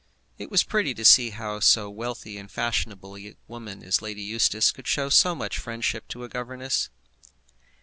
It was pretty to see how so wealthy and fashionable a woman as Lady Eustace could show so much friendship to a governess.